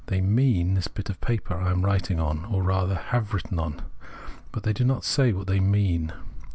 They " mean " this bit of paper I am writing on, or rather have written on : but they do not say what they " mean."